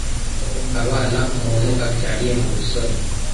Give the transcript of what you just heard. abana umuntu abyariye mu busore